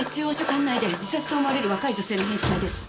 管内で自殺と思われる若い女性の変死体です。